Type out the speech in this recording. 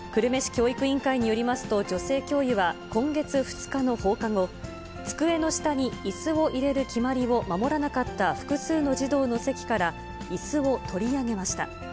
教育委員会によりますと、女性教諭は今月２日の放課後、机の下にいすを入れる決まりを守らなかった複数の児童の席からいすを取り上げました。